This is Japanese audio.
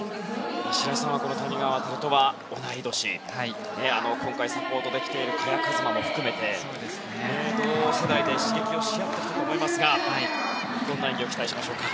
白井さんは谷川航とは同い年で今回、サポートで来ている萱和磨も含めて同世代で刺激をし合ってきたかと思いますがどんな演技を期待しますか？